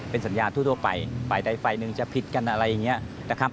เป็นสัญญาทั่วไปฝ่ายใดฝ่ายหนึ่งจะผิดกันอะไรอย่างนี้นะครับ